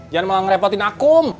jangan mau ngerepotin akum